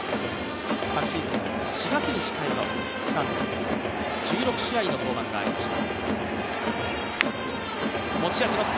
昨シーズン、４月に支配下をつかんで、１６試合の登板がありました。